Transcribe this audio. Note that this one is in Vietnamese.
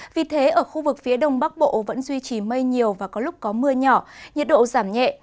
vì thế ở khu vực phía đông bắc bộ vẫn duy trì mây nhiều và có lúc có mưa nhỏ nhiệt độ giảm nhẹ